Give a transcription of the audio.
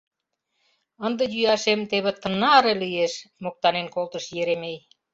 Ынде йӱашем теве тынаре лиеш! — моктанен колтыш Еремей.